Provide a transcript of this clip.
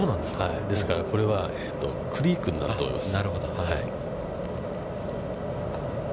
ですから、これはクリークになると思います。